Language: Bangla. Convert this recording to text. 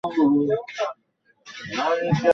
অনেক জাদুমন্ত্রের খেল দেখিয়েছিস!